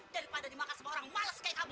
daripada dimakan sama orang males kayak kamu